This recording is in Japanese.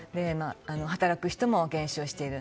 働く人も減少している。